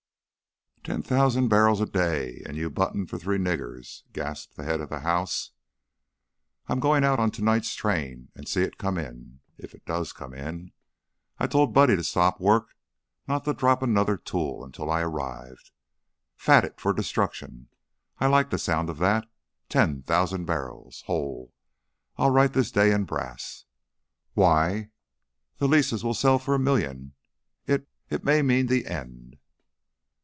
"Ten thousand bar'ls a day, an' you buttlin' for three niggers!" gasped the head of the house. "I'm going out on to night's train and see it come in if it does come in. I told Buddy to stop work; not to drop another tool until I arrived. 'Fatted for destruction.' I like the sound of that. Ten thousand barrels! Ho! I'll write this day in brass. Why, that lease will sell for a million. It it may mean the end."